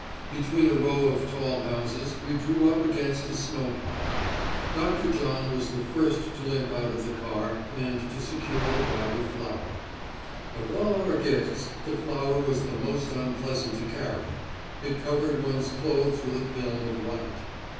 Between a row of tall houses we drew up against a snow pile. Dr. John was the first to limp out of the car and to secure the bag of flour. Of all our gifts the flour was the most unpleasant to carry; it covered one's clothes with a film of white.